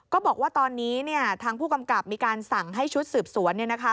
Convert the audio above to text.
ก็บอกว่าตอนนี้เนี่ยทางผู้กำกับมีการสั่งให้ชุดสืบสวนเนี่ยนะคะ